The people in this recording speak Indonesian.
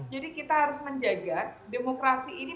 kita harus menjaga demokrasi ini